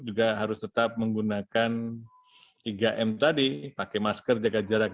juga harus tetap menggunakan tiga m tadi pakai masker jaga jarak